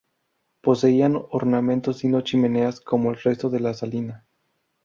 Poseían ornamentos y no chimeneas como el resto de la salina.